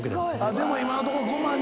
でも今のところ５万人。